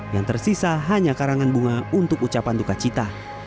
yang tersisa hanya karangan bunga untuk ucapan duka cita